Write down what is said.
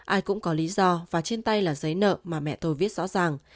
ai cũng có lý do và trên tay là giấy nợ mà mẹ tôi viết rõ ràng